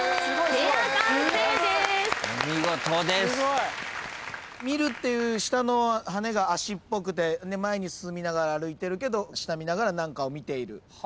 すごい！「見る」っていう下のはねが足っぽくて前に進みながら歩いてるけど下見ながら何かを見ている。